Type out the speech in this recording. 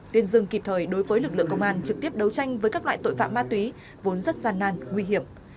tuyên dương kịp thời đối với lực lượng công an trực tiếp đấu tranh với các loại tội phạm ma túy vốn rất gian nan nguy hiểm